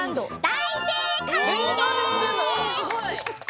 大正解。